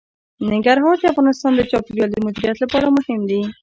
ننګرهار د افغانستان د چاپیریال د مدیریت لپاره مهم دي.